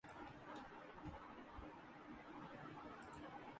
پہنچ کے در پہ ترے کتنے معتبر ٹھہرے